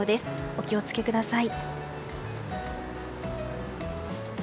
お気を付けください。